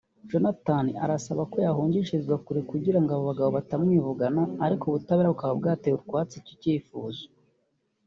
Jonathan arasaba ko yahungishirizwa kure kugira ngo aba bagabo batamwivugana ariko ubutabera bukaba bwateye utwatsi iki cyifuzo